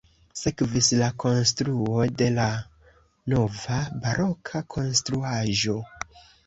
Sekvis la konstruo de la nova baroka konstruaĵo.